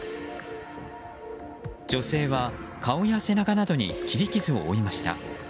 女性は、顔や背中などに切り傷を負いました。